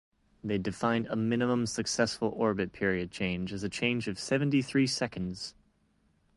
They'd defined a minimum successful orbit period change as change of seventy-three seconds.